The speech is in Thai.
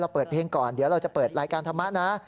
เปิดเพลงก่อนเดี๋ยวเราจะเปิดรายการธรรมะนะ